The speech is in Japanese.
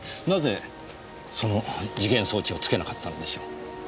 なぜその時限装置を付けなかったのでしょう？